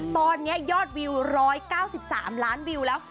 ตอนนี้ยอดวิว๑๙๓ล้านวิวแล้ว